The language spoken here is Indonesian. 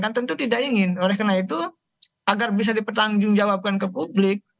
tentu tidak ingin oleh karena itu agar bisa dipertanggungjawabkan ke publik